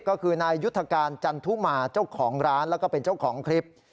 ก็คือนายยุทธการจันทุมาเจ้าของร้านแล้วก็เป็นเจ้าของคลิป